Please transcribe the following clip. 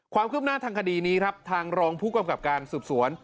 ความคืบหน้าทางคดีนี้ครับทางรองผู้กำกับการสืบสวน